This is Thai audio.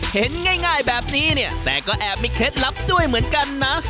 เห็นง่ายแบบนี้เนี่ยแต่ก็แอบมีเคล็ดลับด้วยเหมือนกันนะ